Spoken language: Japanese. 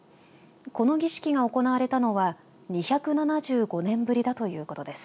この儀式が行われたのは２７５年ぶりだということです。